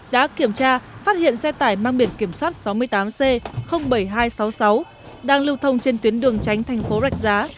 đã kiểm tra phát hiện xe tải mang biển kiểm soát sáu mươi tám c bảy nghìn hai trăm sáu mươi sáu đang lưu thông trên tuyến đường tránh thành phố rạch giá